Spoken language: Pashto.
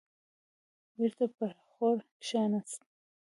بېرته پر اخور کيناست.